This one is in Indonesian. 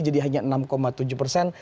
jadi hanya enam tujuh persen